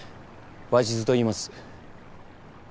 鷲津といいます。